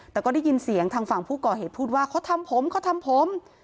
แต่ก็ได้ยินเสียงทางฝั่งผู้ก่อเหตุพูดว่าเขาทำผมเขาทำผม